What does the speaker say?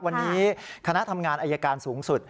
วันนี้คณะทำงานอายการสูงสุด